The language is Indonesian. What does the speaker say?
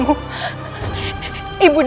ibu tak mau n easy